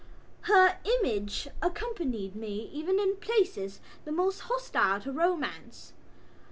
Her image accompanied me even in places the most hostile to romance.